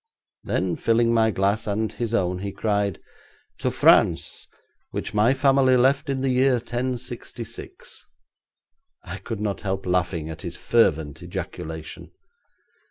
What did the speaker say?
Then filling my glass and his own he cried: 'To France, which my family left in the year 1066!' I could not help laughing at his fervent ejaculation.